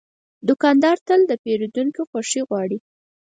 دوکاندار تل د پیرودونکو خوښي غواړي.